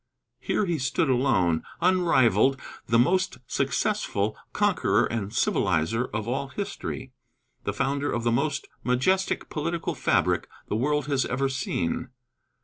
Here he stood alone, unrivaled, the most successful conqueror and civilizer of all history, the founder of the most majestic political fabric the world has ever seen.